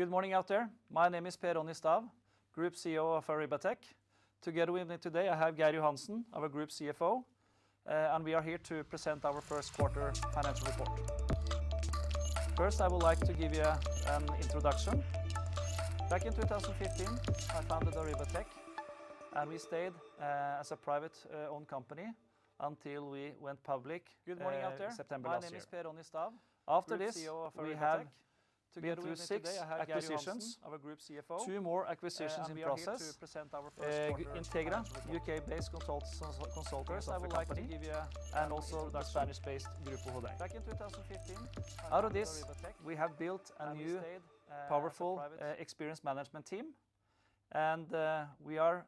Good morning out there. My name is Per Ronny Stav, Group CEO of Arribatec Group. Together with me today, I have Geir Johansen, our Group CFO, and we are here to present our first quarter financial report. 1st, I would like to give you an introduction. Back in 2015, I founded Arribatec Group, and we stayed as a private-owned company until we went public in September last year. After this, we have went through six acquisitions, two more acquisitions in process: Integra Associates, U.K. Based consultants that we acquired, and also the Spanish-based Grupo Hodei. Out of this, we have built a new powerful experience management team, and we are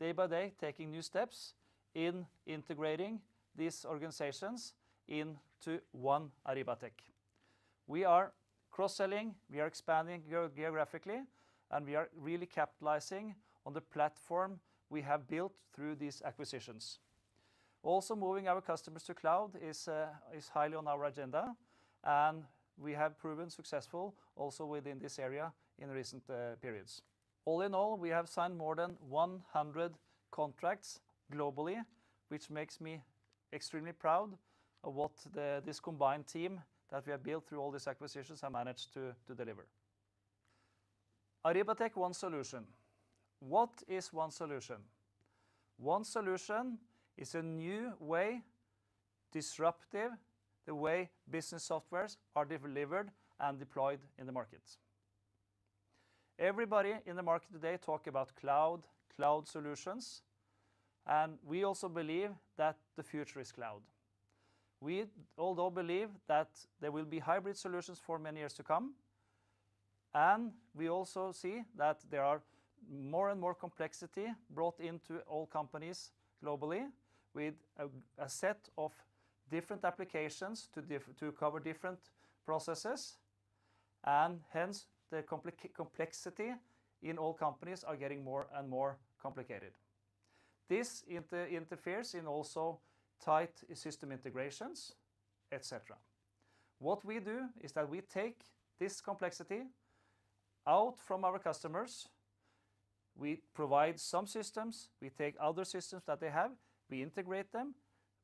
day by day taking new steps in integrating these organizations into one Arribatec Group. We are cross-selling, we are expanding geographically, and we are really capitalizing on the platform we have built through these acquisitions. Also, moving our customers to cloud is highly on our agenda, and we have proven successful also within this area in recent periods. All in all, we have signed more than 100 contracts globally, which makes me extremely proud of what this combined team that we have built through all these acquisitions have managed to deliver. Arribatec One Solution. What is One Solution? One Solution is a new way, disruptive, the way business softwares are delivered and deployed in the market. Everybody in the market today talk about cloud solutions, and we also believe that the future is cloud. We although believe that there will be hybrid solutions for many years to come, and we also see that there are more and more complexity brought into all companies globally with a set of different applications to cover different processes, and hence the complexity in all companies are getting more and more complicated. This interferes in also tight system integrations, et cetera. What we do is that we take this complexity out from our customers. We provide some systems, we take other systems that they have, we integrate them,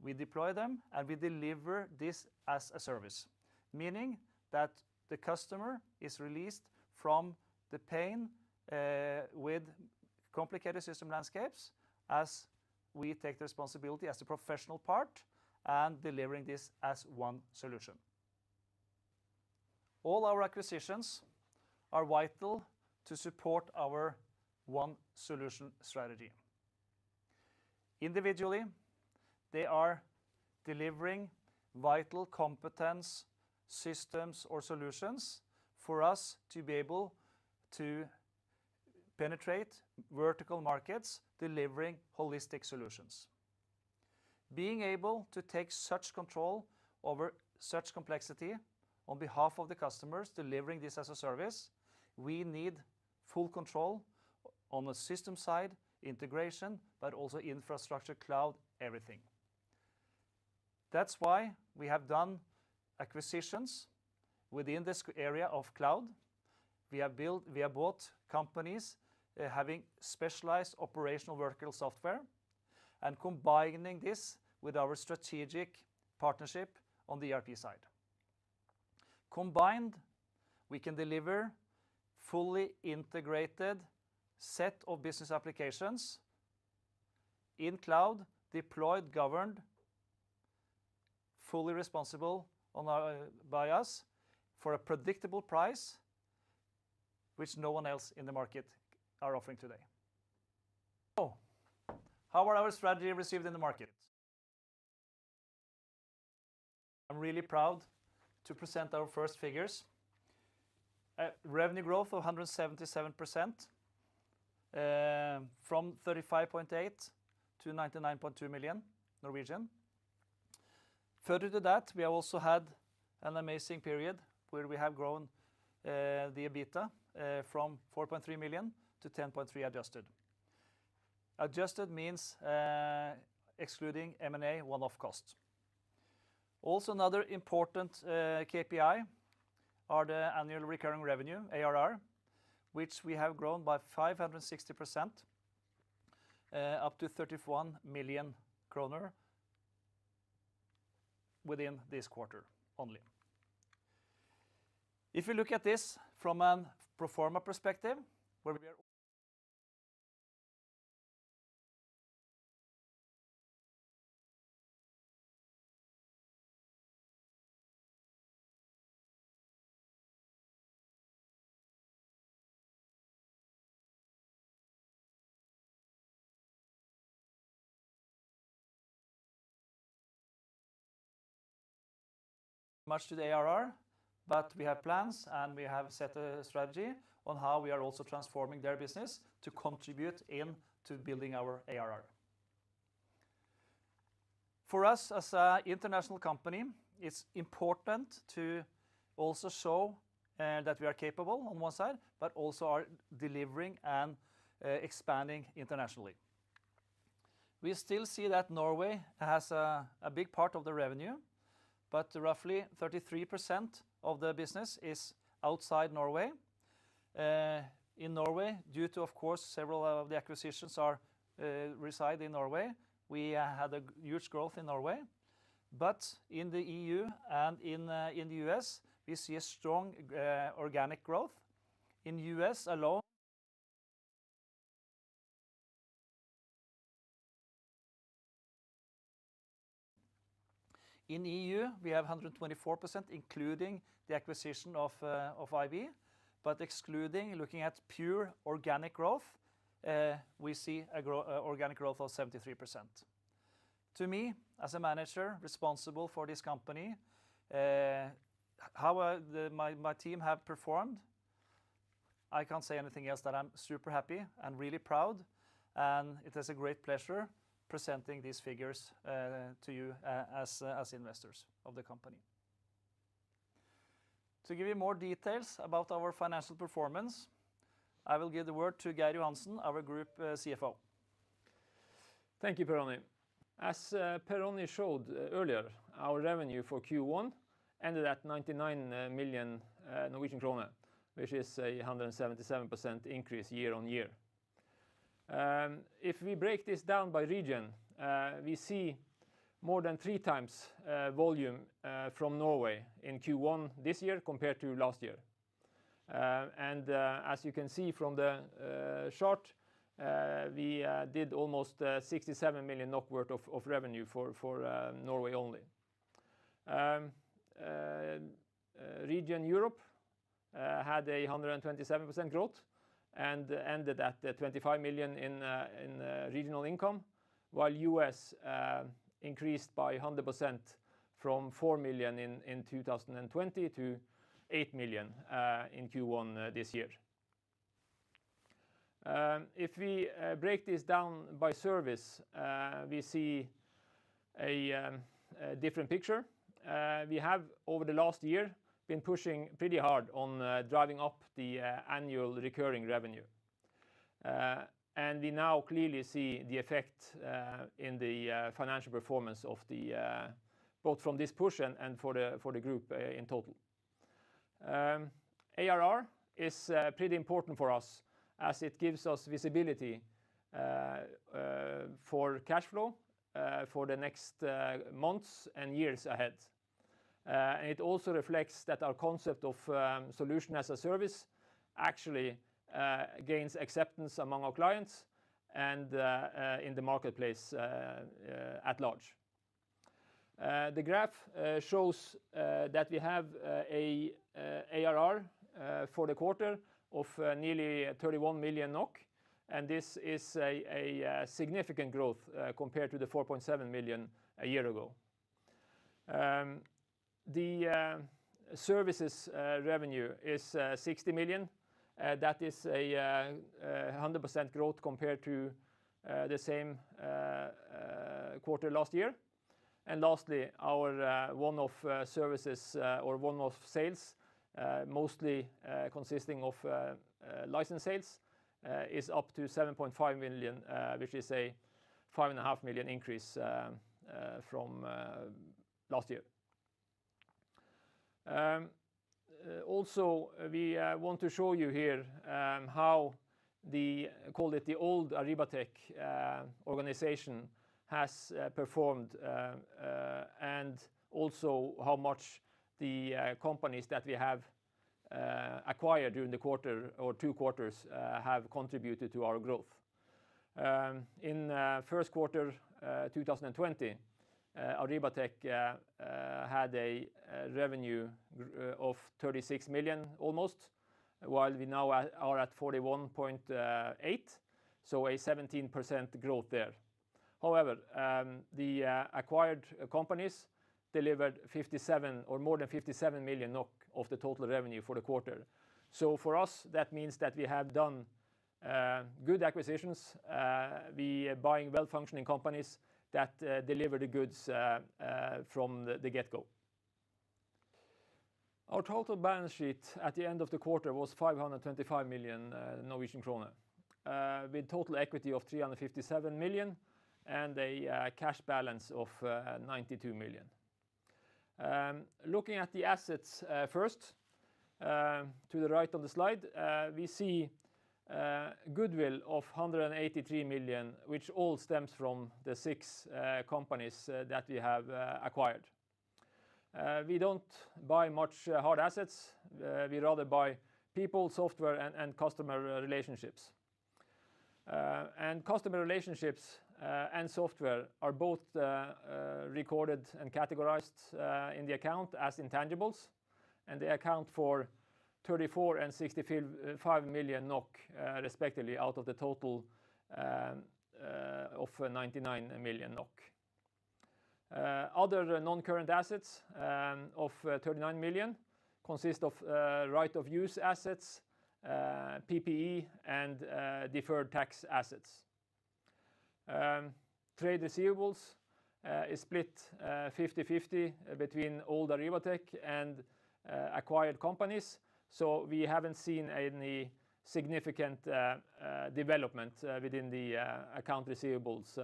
we deploy them, and we deliver this as a service. Meaning that the customer is released from the pain with complicated system landscapes as we take responsibility as a professional part and delivering this as One Solution. All our acquisitions are vital to support our One Solution strategy. Individually, they are delivering vital competence systems or solutions for us to be able to penetrate vertical markets, delivering holistic solutions. Being able to take such control over such complexity on behalf of the customers delivering this as a service, we need full control on the system side, integration, but also infrastructure, cloud, everything. That's why we have done acquisitions within this area of cloud. We have bought companies having specialized operational vertical software and combining this with our strategic partnership on the ERP side. Combined, we can deliver fully integrated set of business applications in cloud, deployed, governed, fully responsible by us for a predictable price which no one else in the market are offering today. How was our strategy received in the market? I'm really proud to present our first figures. Revenue growth of 177%, from 35.8 million-99.2 million. Further to that, we also had an amazing period where we have grown the EBITDA from 4.3 million-10.3 adjusted. Adjusted means excluding M&A one-off cost. Another important KPI are the annual recurring revenue, ARR, which we have grown by 560%, up to NOK 31 million within this quarter only. If you look at this from a pro forma perspective, where we are Much to the ARR, but we have plans, and we have set a strategy on how we are also transforming their business to contribute in to building our ARR. For us as an international company, it's important to also show that we are capable on one side, but also are delivering and expanding internationally. We still see that Norway has a big part of the revenue, but roughly 33% of the business is outside Norway. In Norway, due to, of course, several of the acquisitions reside in Norway, we had a huge growth in Norway, but in the EU and in the U.S., we see a strong organic growth. In EU, we have 124%, including the acquisition of IB, but excluding, looking at pure organic growth, we see organic growth of 73%. To me, as a manager responsible for this company, how my team have performed, I can't say anything else than I'm super happy and really proud, and it is a great pleasure presenting these figures to you as investors of the company. To give you more details about our financial performance, I will give the word to Geir Johansen, our Group CFO. Thank you, Per Ronny. As Per Ronny showed earlier, our revenue for Q1 ended at 99 million Norwegian krone, which is 177% increase year-over-year. If we break this down by region, we see more than 3x volume from Norway in Q1 this year compared to last year. As you can see from the chart, we did almost 67 million NOK worth of revenue for Norway only. Region Europe had 127% growth and ended at 25 million in regional income, while U.S. increased by 100% from 4 million in 2020 to 8 million in Q1 this year. If we break this down by service, we see a different picture. We have, over the last year, been pushing pretty hard on driving up the annual recurring revenue. We now clearly see the effect in the financial performance both from this push and for the group in total. ARR is pretty important for us as it gives us visibility for cash flow for the next months and years ahead. It also reflects that our concept of solution as a service actually gains acceptance among our clients and in the marketplace at large. The graph shows that we have a ARR for the quarter of nearly 31 million NOK, and this is a significant growth compared to the 4.7 million a year ago. The services revenue is 60 million. That is 100% growth compared to the same quarter last year. Lastly, our one-off services or one-off sales, mostly consisting of license sales, is up to 7.5 million, which is a 5.5 million increase from last year. Also, we want to show you here how the, call it the old Arribatec organization, has performed and also how much the companies that we have acquired during the quarter or two quarters have contributed to our growth. In first quarter 2020, Arribatec had a revenue of 36 million almost, while we now are at 41.8, so a 17% growth there. However, the acquired companies delivered 57 or more than 57 million NOK of the total revenue for the quarter. For us, that means that we have done good acquisitions, we buying well-functioning companies that deliver the goods from the get-go. Our total balance sheet at the end of the quarter was 525 million Norwegian krone, with total equity of 357 million and a cash balance of 92 million. Looking at the assets first, to the right of the slide, we see goodwill of 183 million, which all stems from the six companies that we have acquired. We don't buy much hard assets. We'd rather buy people, software, and customer relationships. Customer relationships and software are both recorded and categorized in the account as intangibles, and they account for 34 million and 65 million NOK respectively out of the total of 99 million NOK. Other non-current assets of 39 million consist of right of use assets, PPE, and deferred tax assets. Trade receivables is split 50/50 between old Arribatec and acquired companies. We haven't seen any significant development within the account receivables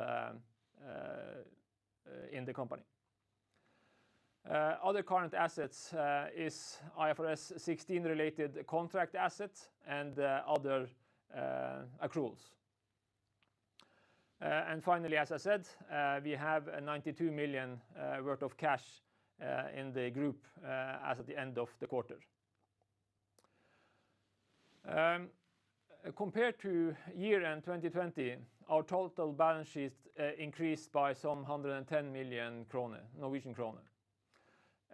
in the company. Other current assets is IFRS 16 related contract assets and other accruals. Finally, as I said, we have 92 million worth of cash in the group as of the end of the quarter. Compared to year-end 2020, our total balance sheet increased by some 110 million kroner.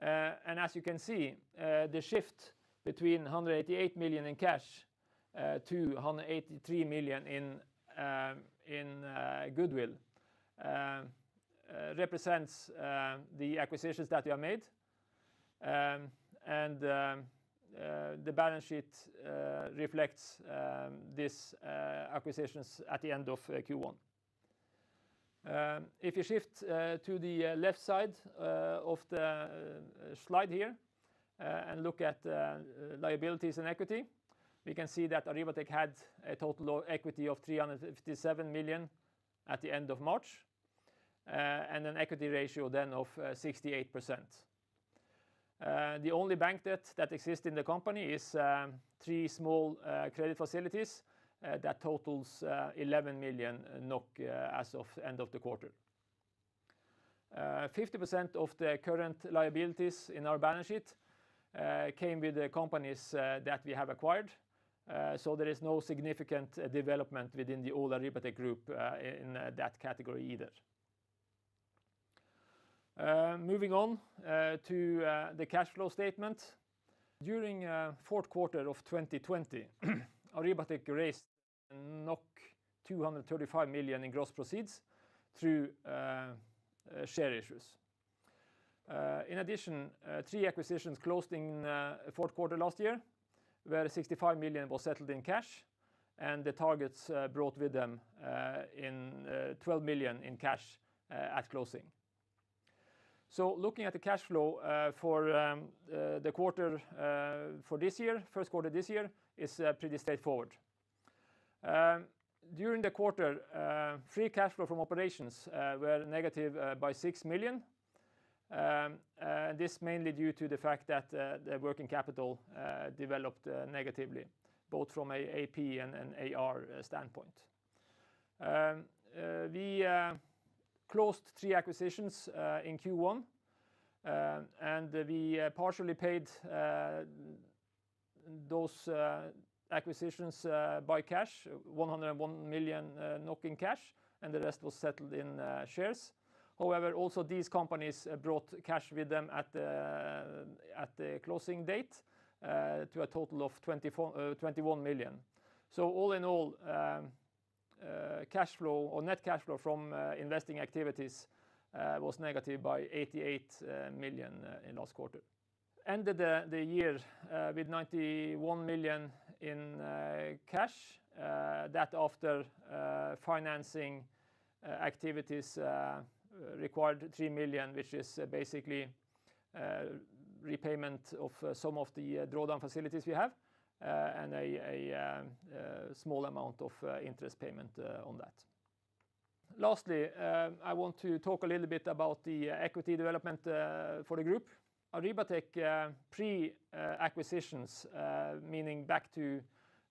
As you can see, the shift between 188 million in cash to 183 million in goodwill represents the acquisitions that we have made, and the balance sheet reflects these acquisitions at the end of Q1. If you shift to the left side of the slide here and look at liabilities and equity, we can see that Arribatec had a total equity of 357 million at the end of March and an equity ratio then of 68%. The only bank debt that exists in the company is three small credit facilities that totals 11 million NOK as of end of the quarter. 50% of the current liabilities in our balance sheet came with the companies that we have acquired. There is no significant development within the old Arribatec Group in that category either. Moving on to the cash flow statement. During fourth quarter of 2020, Arribatec raised 235 million in gross proceeds through share issues. In addition, three acquisitions closed in fourth quarter last year, where 65 million was settled in cash and the targets brought with them 12 million in cash at closing. Looking at the cash flow for the first quarter this year is pretty straightforward. During the quarter, free cash flow from operations were negative by 6 million. This mainly due to the fact that the working capital developed negatively, both from AP and AR standpoint. We closed three acquisitions in Q1, and we partially paid those acquisitions by cash, 101 million in cash, and the rest was settled in shares. However, also these companies brought cash with them at the closing date to a total of 21 million. All in all, cash flow or net cash flow from investing activities was negative by 88 million in last quarter. Ended the year with 91 million in cash. That after financing activities required 3 million, which is basically repayment of some of the drawdown facilities we have and a small amount of interest payment on that. Lastly, I want to talk a little bit about the equity development for the group. Arribatec pre-acquisitions, meaning back to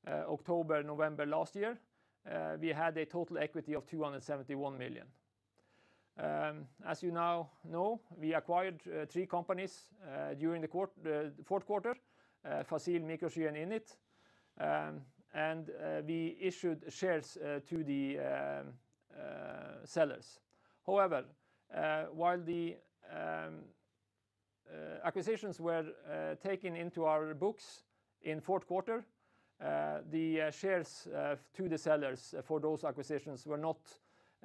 October, November last year, we had a total equity of 271 million. As you now know, we acquired three companies during the fourth quarter, Fácil, Microsky, and Innit, and we issued shares to the sellers. However, while the acquisitions were taken into our books in fourth quarter, the shares to the sellers for those acquisitions were not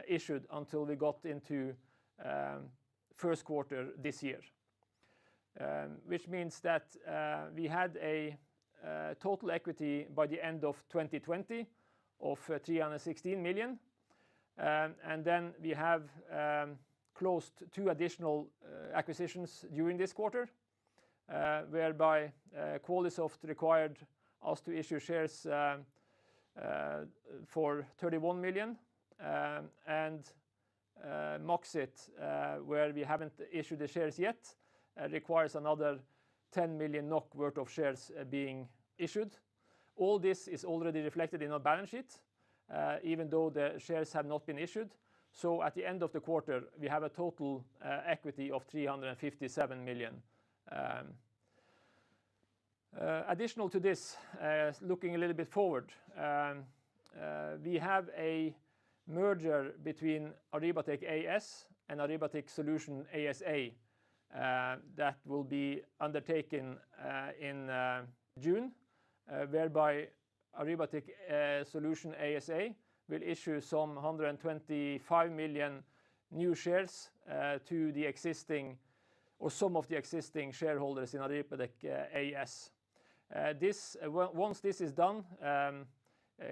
issued until we got into first quarter this year. Which means that we had a total equity by the end of 2020 of 316 million. We have closed two additional acquisitions during this quarter, whereby Qualisoft required us to issue shares for NOK 31 million and Maksit, where we haven't issued the shares yet, requires another 10 million NOK worth of shares being issued. All this is already reflected in our balance sheet, even though the shares have not been issued. At the end of the quarter, we have a total equity of 357 million. Additional to this, looking a little bit forward, we have a merger between Arribatec AS and Arribatec Solutions ASA that will be undertaken in June, whereby Arribatec Solutions ASA will issue some 125 million new shares to some of the existing shareholders in Arribatec AS. Once this is done,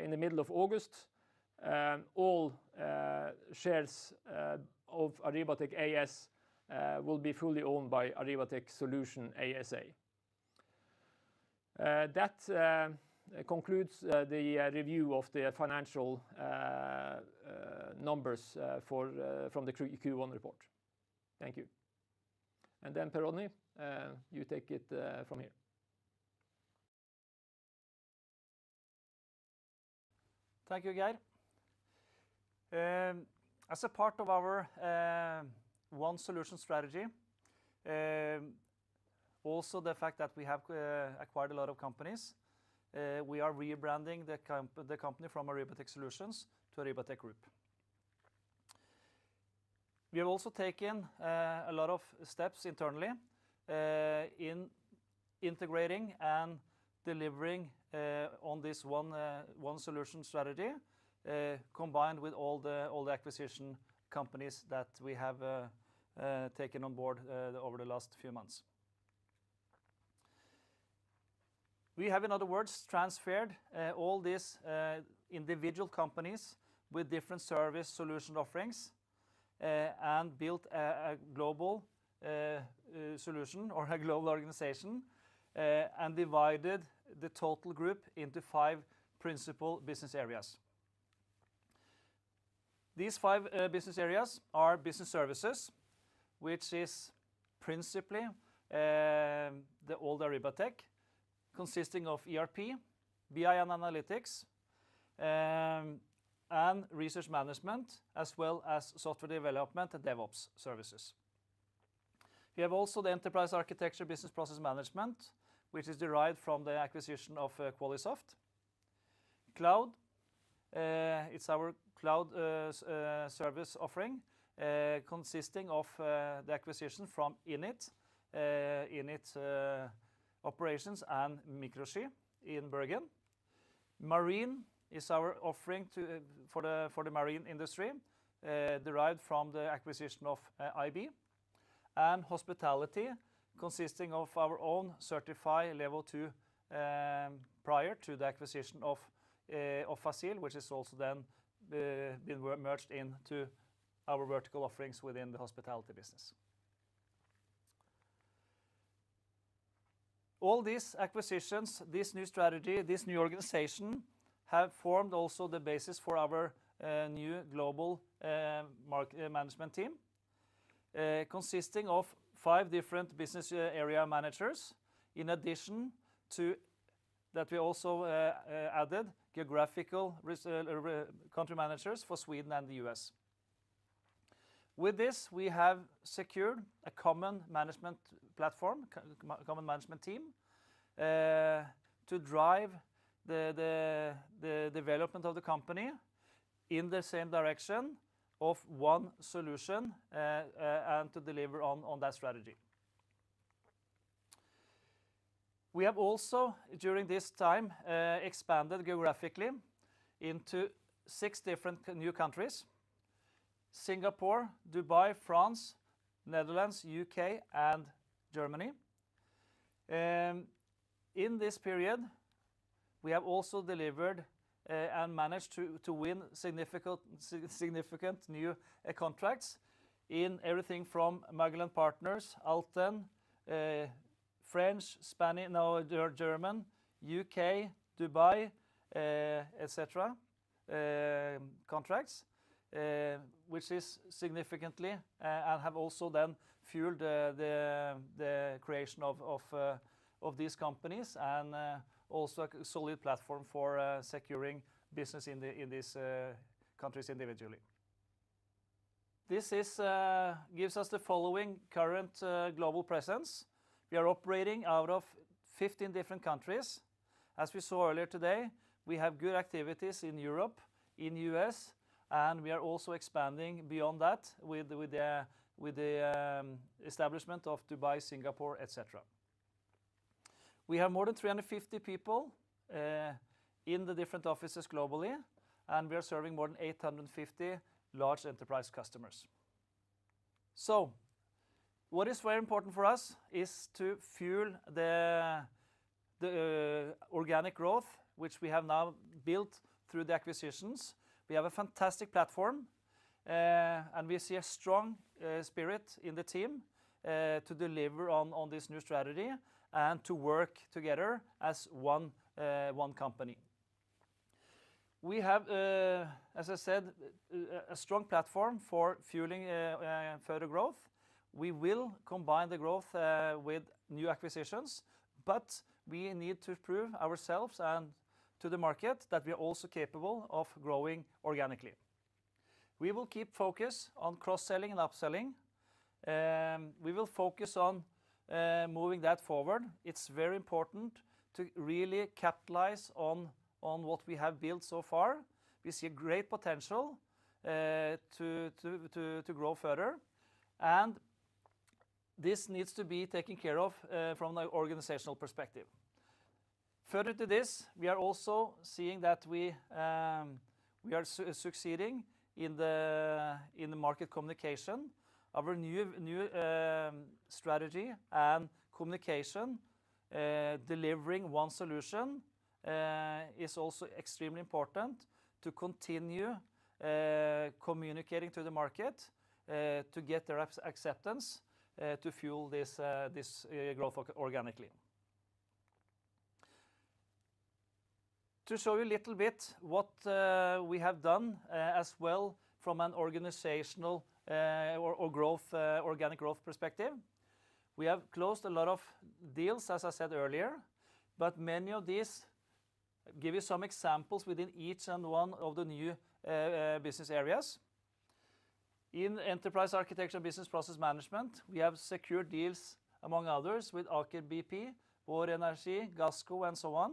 in the middle of August, all shares of Arribatec AS will be fully owned by Arribatec Solutions ASA. That concludes the review of the financial numbers from the Q1 report. Thank you. Per Ronny, you take it from here. Thank you, Geir. As a part of our One Solution strategy, also the fact that we have acquired a lot of companies, we are rebranding the company from Arribatec Solutions to Arribatec Group. We have also taken a lot of steps internally in integrating and delivering on this One Solution strategy, combined with all the acquisition companies that we have taken on board over the last few months. We have, in other words, transferred all these individual companies with different service solution offerings and built a global solution or a global organization and divided the total group into five principal business areas. These five business areas are business services, which is principally the old Arribatec, consisting of ERP, BI and analytics, and research management, as well as software development and DevOps services. We have also the enterprise architecture business process management, which is derived from the acquisition of Qualisoft. Cloud, it's our cloud service offering, consisting of the acquisition from Innit operations and Microsky in Bergen. Marine is our offering for the marine industry, derived from the acquisition of IB. Hospitality, consisting of our own Certify Level 2 prior to the acquisition of Fácil, which has also then been merged into our vertical offerings within the hospitality business. All these acquisitions, this new strategy, this new organization, have formed also the basis for our new global market management team, consisting of five different business area managers. In addition to that, we also added geographical country managers for Sweden and the U.S. With this, we have secured a common management platform, common management team, to drive the development of the company in the same direction of One Solution and to deliver on that strategy. We have also, during this time, expanded geographically into six different new countries, Singapore, Dubai, France, Netherlands, U.K., and Germany. In this period, we have also delivered and managed to win significant new contracts in everything from Magellan Partners, Altum, French, Spanish, now they're German, U.K., Dubai, et cetera, contracts, which is significant and have also then fueled the creation of these companies and also a solid platform for securing business in these countries individually. This gives us the following current global presence. We are operating out of 15 different countries. As we saw earlier today, we have good activities in Europe, in the U.S., and we are also expanding beyond that with the establishment of Dubai, Singapore, et cetera. We have more than 250 people in the different offices globally, and we are serving more than 850 large enterprise customers. What is very important for us is to fuel the organic growth, which we have now built through the acquisitions. We have a fantastic platform, and we see a strong spirit in the team to deliver on this new strategy and to work together as one company. We have, as I said, a strong platform for fueling further growth. We will combine the growth with new acquisitions, we need to prove ourselves and to the market that we are also capable of growing organically. We will keep focus on cross-selling and upselling. We will focus on moving that forward. It's very important to really capitalize on what we have built so far. We see great potential to grow further, and this needs to be taken care of from an organizational perspective. Further to this, we are also seeing that we are succeeding in the market communication. Our new strategy and communication, delivering One Solution, is also extremely important to continue communicating to the market to get their acceptance to fuel this growth organically. To show you a little bit what we have done as well from an organizational or organic growth perspective. We have closed a lot of deals, as I said earlier, but many of these give you some examples within each and one of the new business areas. In enterprise architecture business process management, we have secured deals, among others, with Aker BP, Vår Energi, Gassco, and so on.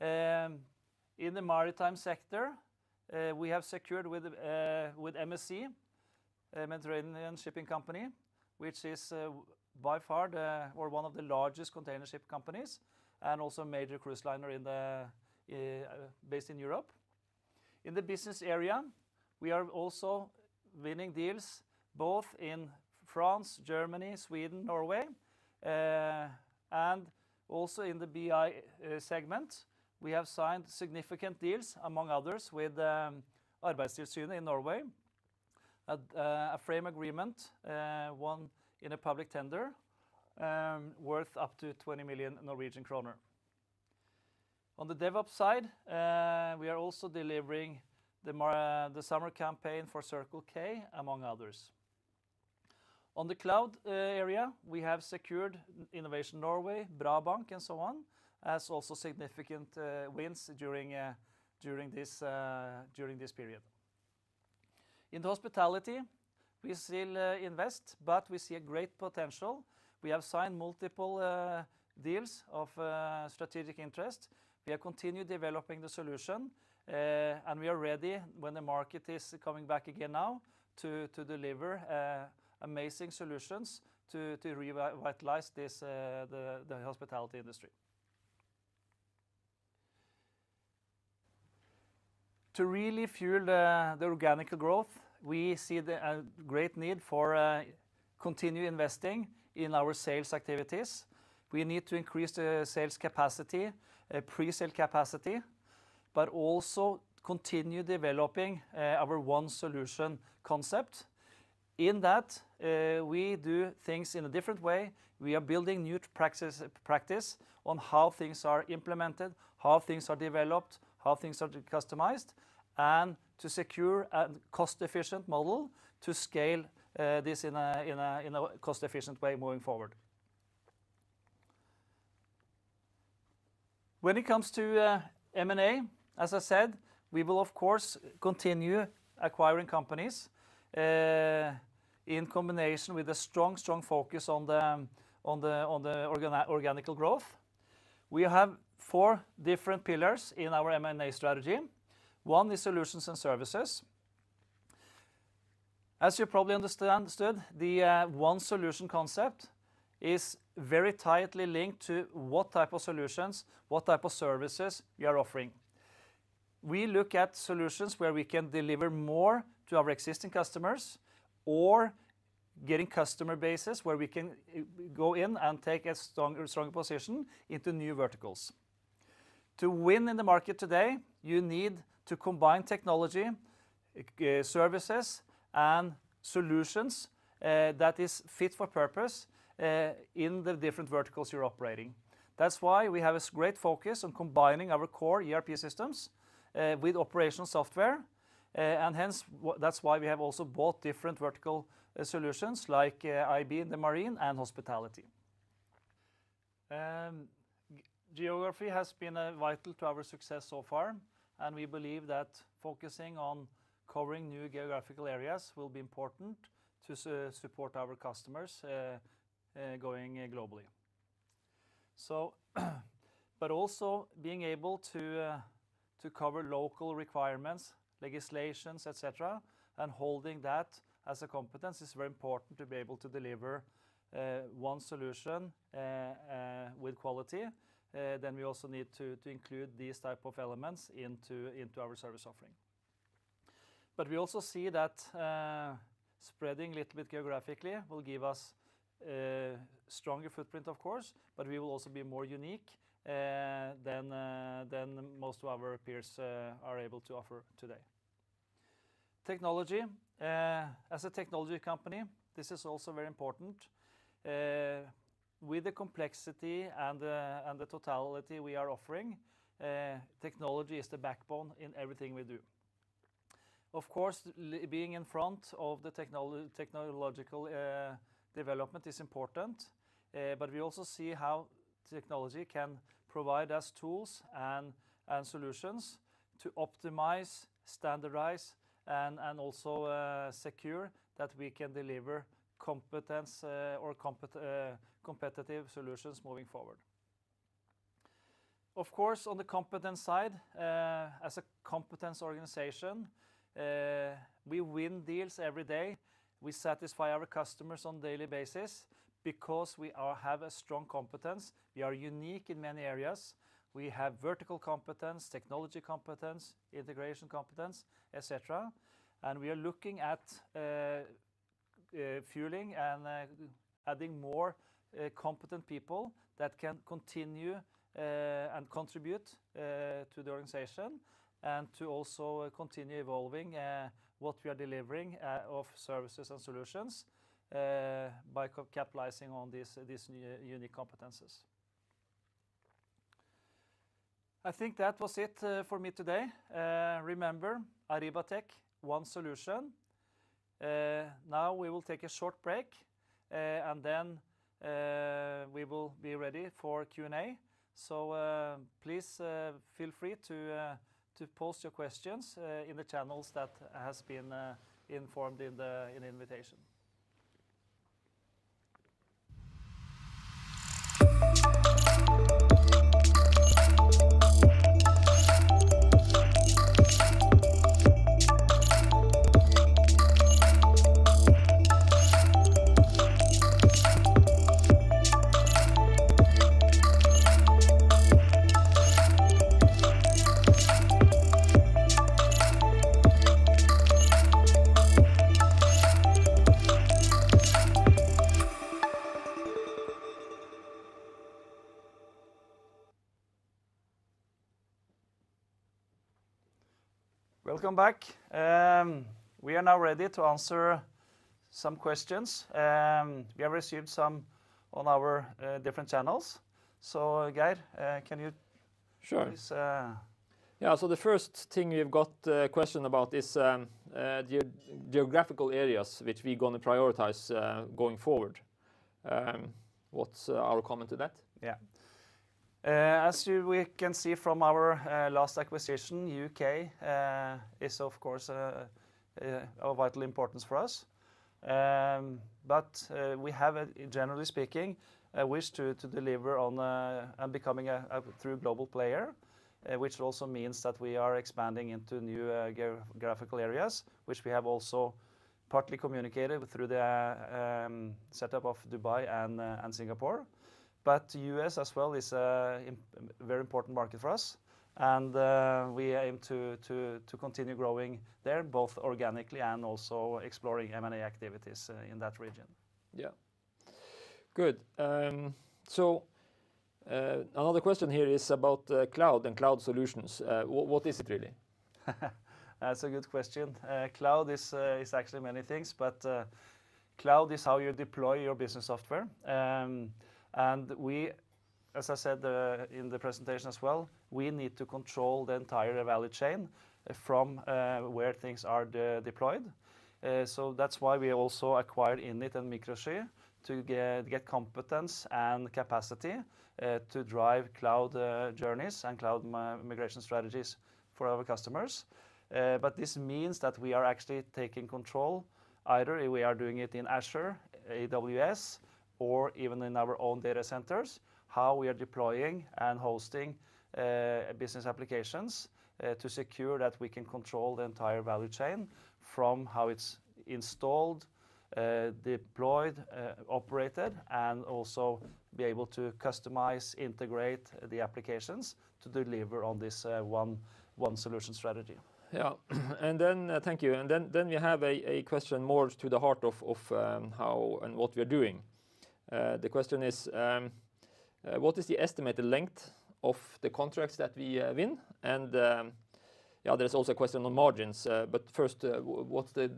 In the maritime sector, we have secured with MSC, Mediterranean Shipping Company, which is by far one of the largest container ship companies and also a major cruise liner based in Europe. In the business area, we are also winning deals both in France, Germany, Sweden, Norway. In the BI segment, we have signed significant deals, among others, with Arbeidsgiverstyret in Norway, a frame agreement, one in a public tender, worth up to 20 million Norwegian kroner. On the DevOps side, we are also delivering the summer campaign for Circle K, among others. On the cloud area, we have secured Innovation Norway, Brage Bank and so on, as also significant wins during this period. In hospitality, we still invest, but we see a great potential. We have signed multiple deals of strategic interest. We have continued developing the solution, and we are ready when the market is coming back again now to deliver amazing solutions to revitalize the hospitality industry. To really fuel the organic growth, we see a great need for continue investing in our sales activities. We need to increase the sales capacity, pre-sale capacity, but also continue developing our One Solution concept. In that, we do things in a different way. We are building new practice on how things are implemented, how things are developed, how things are customized, and to secure a cost-efficient model to scale this in a cost-efficient way moving forward. When it comes to M&A, as I said, we will of course continue acquiring companies, in combination with a strong focus on the organic growth. We have four different pillars in our M&A strategy. One is solutions and services. As you probably understood, the One Solution concept is very tightly linked to what type of solutions, what type of services we are offering. We look at solutions where we can deliver more to our existing customers or getting customer bases where we can go in and take a strong position into new verticals. To win in the market today, you need to combine technology, services, and solutions that is fit for purpose, in the different verticals you're operating. That's why we have a great focus on combining our core ERP systems with operational software. Hence, that's why we have also bought different vertical solutions like IB in the marine and hospitality. Geography has been vital to our success so far. We believe that focusing on covering new geographical areas will be important to support our customers going globally. Also being able to cover local requirements, legislations, et cetera, and holding that as a competence is very important to be able to deliver One Solution with quality, then we also need to include these type of elements into our service offering. We also see that spreading little bit geographically will give us a stronger footprint, of course, but we will also be more unique than most of our peers are able to offer today. Technology. As a technology company, this is also very important. With the complexity and the totality we are offering, technology is the backbone in everything we do. Of course, being in front of the technological development is important, but we also see how technology can provide us tools and solutions to optimize, standardize, and also secure that we can deliver competence or competitive solutions moving forward. Of course, on the competence side, as a competence organization, we win deals every day. We satisfy our customers on daily basis. Because we have a strong competence, we are unique in many areas. We have vertical competence, technology competence, integration competence, et cetera, and we are looking at fueling and adding more competent people that can continue and contribute to the organization, and to also continue evolving what we are delivering of services and solutions by capitalizing on these unique competencies. I think that was it for me today. Remember, Arribatec, One Solution. Now we will take a short break, and then we will be ready for Q&A. Please feel free to post your questions in the channels that has been informed in the invitation. Welcome back. We are now ready to answer some questions. We have received some on our different channels. Geir, can you please? Sure. Yeah, the first thing we've got a question about is the geographical areas which we're going to prioritize going forward. What's our comment to that? As we can see from our last acquisition, U.K. is, of course, of vital importance for us. We have, generally speaking, a wish to deliver on becoming a true global player, which also means that we are expanding into new geographical areas, which we have also partly communicated through the setup of Dubai and Singapore. The U.S. as well is a very important market for us, and we aim to continue growing there, both organically and also exploring M&A activities in that region. Yeah. Good. Now the question here is about the cloud and cloud solutions. What is it really? That's a good question. Cloud is actually many things. Cloud is how you deploy your business software. We, as I said in the presentation as well, we need to control the entire value chain from where things are deployed. That's why we also acquired Innit and Microsky to get competence and capacity to drive cloud journeys and cloud migration strategies for our customers. This means that we are actually taking control. Either we are doing it in Azure, AWS, or even in our own data centers, how we are deploying and hosting business applications to secure that we can control the entire value chain from how it's installed, deployed, operated, and also be able to customize, integrate the applications to deliver on this One Solution strategy. Yeah. Thank you. Then you have a question more to the heart of how and what we're doing. The question is, what is the estimated length of the contracts that we win? Yeah, there's also a question on margins, but first, what's the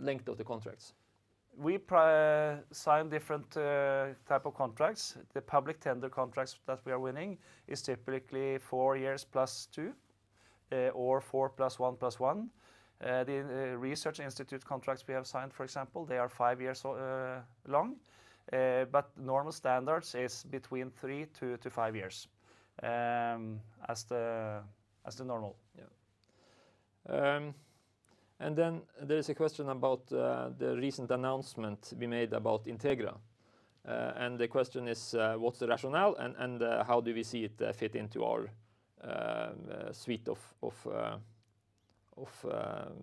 length of the contracts? We sign different types of contracts. The public tender contracts that we are winning is typically four years plus two, or 4 + 1 + 1. The research institute contracts we have signed, for example, they are five years long. Normal standards is between three to five years as the normal. Yeah. There's a question about the recent announcement we made about Integra. The question is, what's the rationale and how do we see it fit into our suite of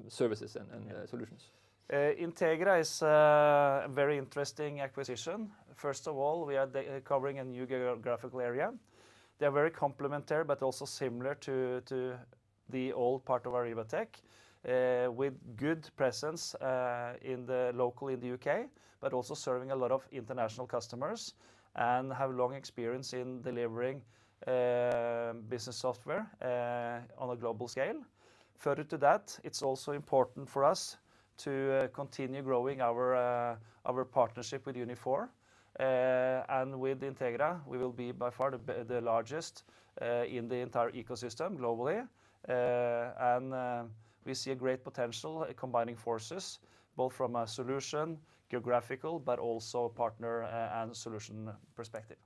services and solutions? Integra is a very interesting acquisition. First of all, we are covering a new geographical area. They're very complementary, but also similar to the old part of Arribatec, with good presence locally in the U.K., but also serving a lot of international customers, and have long experience in delivering business software on a global scale. Further to that, it's also important for us to continue growing our partnership with Unit4. With Integra, we will be by far the largest in the entire ecosystem globally. We see a great potential combining forces, both from a solution, geographical, but also a partner and solution perspective.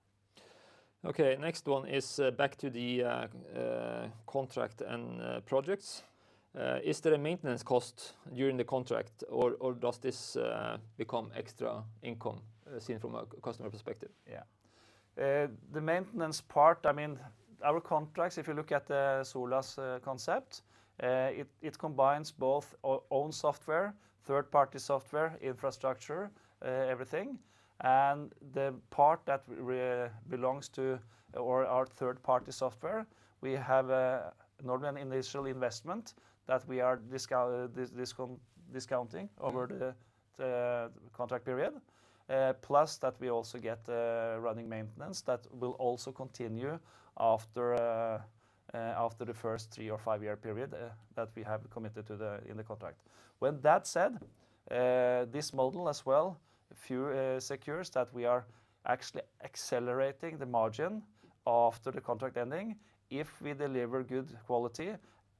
Okay, next one is back to the contract and projects. Is there a maintenance cost during the contract, or does this become extra income seen from a customer perspective? Yeah. The maintenance part, our contracts, if you look at XaaS concept it combines both our own software, third-party software, infrastructure, everything. The part that belongs to our third-party software, we have an initial investment that we are discounting over the contract period. Plus that we also get the running maintenance that will also continue after the first three or five-year period that we have committed to in the contract. With that said, this model as well secures that we are actually accelerating the margin after the contract ending if we deliver good quality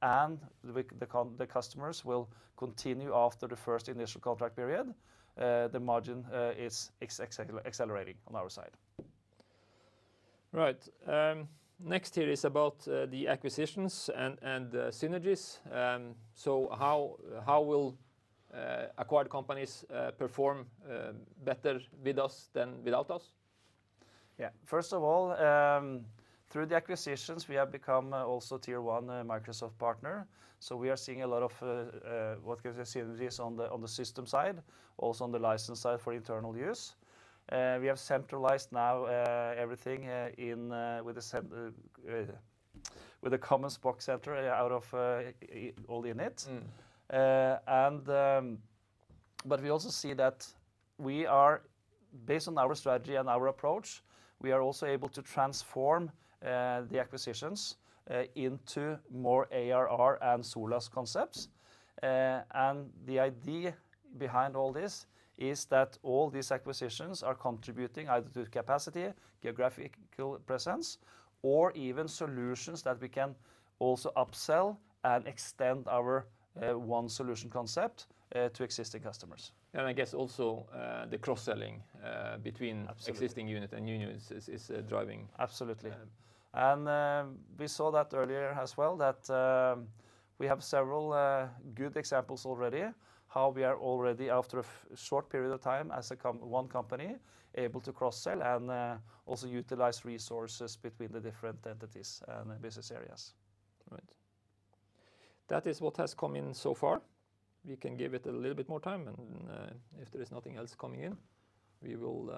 and the customers will continue after the first initial contract period the margin is accelerating on our side. Right. Next here is about the acquisitions and the synergies. How will acquired companies perform better with us than without us? Yeah. First of all through the acquisitions, we have become also Tier 1 Microsoft partner. We are seeing a lot of what synergies on the system side, also on the license side for internal use. We have centralized now everything with a common cost center out of all units. We also see that based on our strategy and our approach, we are also able to transform the acquisitions into more ARR and XaaS concepts. The idea behind all this is that all these acquisitions are contributing either to capacity, geographical presence, or even solutions that we can also upsell and extend our One Solution concept to existing customers. I guess also the cross-selling between existing units and new units is driving- Absolutely. We saw that earlier as well that we have several good examples already how we are already after a short period of time as one company able to cross-sell and also utilize resources between the different entities and business areas. Right. That is what has come in so far. We can give it a little bit more time and if there is nothing else coming in, we will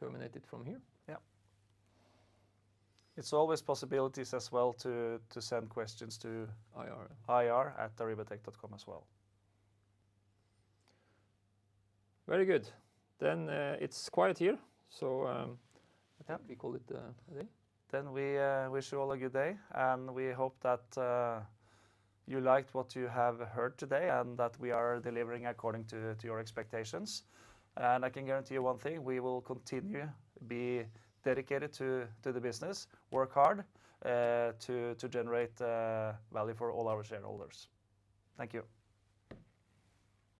terminate it from here. Yeah. It's always possibilities as well to send questions to IR. IR. ir@arribatec.com as well. Very good. It's quiet here, so. I think we call it a day. We wish you all a good day, and we hope that you liked what you have heard today and that we are delivering according to your expectations. I can guarantee you one thing, we will continue be dedicated to the business, work hard to generate value for all our shareholders. Thank you.